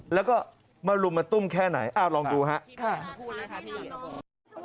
แล้วก็มาลุมมาตุ้มแค่ไหนอ้าวลองดูครับ